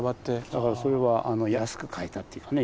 だからそれは安く買えたっていうかね。